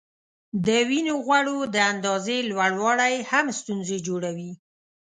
د وینې غوړو د اندازې لوړوالی هم ستونزې جوړوي.